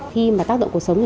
khi mà tác động cột sống